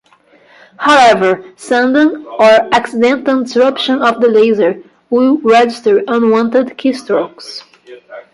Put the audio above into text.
However, sudden or accidental disruption of the laser will register unwanted keystrokes.